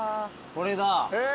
これだ。